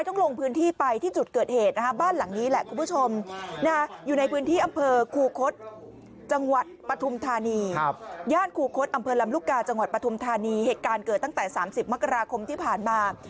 นี้เหตุการณ์เกิดตั้งแต่๓๐มคมที่ผ่านมา